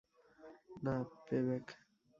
না, প্যেব্যাক।